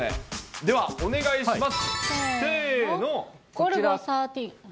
ではお願いします。